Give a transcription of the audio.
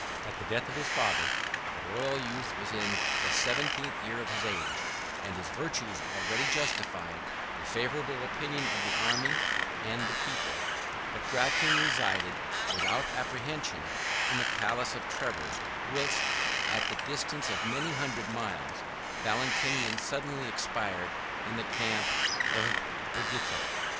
At the death of his father, the royal youth was in the seventeenth year of his age; and his virtues already justified the favorable opinion of the army and the people. But Gratian resided, without apprehension, in the palace of Treves; whilst, at the distance of many hundred miles, Valentinian suddenly expired in the camp of Bregetio.